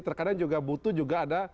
terkadang juga butuh juga ada